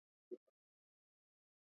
د پملا د خپرونو ساحه ډیره پراخه ده.